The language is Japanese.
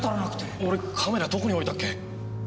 俺カメラどこに置いたっけ？